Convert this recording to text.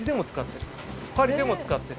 パリでも使ってる。